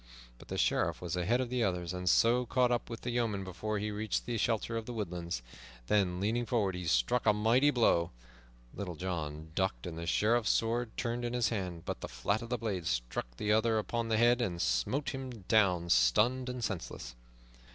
But the Sheriff was ahead of the others, and so caught up with the yeoman before he reached the shelter of the woodlands, then leaning forward he struck a mighty blow. Little John ducked and the Sheriff's sword turned in his hand, but the flat of the blade struck the other upon the head and smote him down, stunned and senseless.